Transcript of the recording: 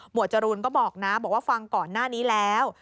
จรูนก็บอกนะบอกว่าฟังก่อนหน้านี้แล้ว